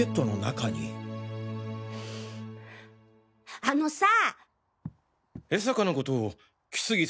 あのさぁ。